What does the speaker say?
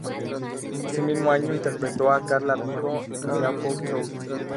Ese mismo año interpretó a Carla Vigo en "Sea of Souls".